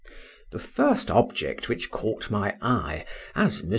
The first object which caught my eye, as Mons.